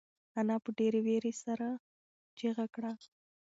انا په ډېرې وېرې سره چیغه کړه.